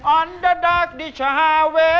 ออนเดอร์ดาคดิชาฮาวิ